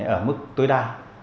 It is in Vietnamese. ở mức tối đa